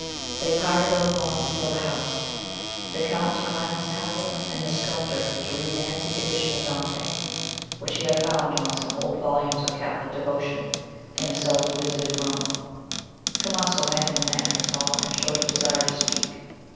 They parted on the lawn before the house, the Count to climb his tower, and the sculptor to read an antique edition of Dante, which he had found among some old volumes of Catholic devotion, in a seldom visited room, Tomaso met him in the entrance hall, and showed a desire to speak.